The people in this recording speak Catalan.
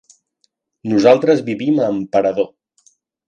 Nosaltres vivim a Emperador.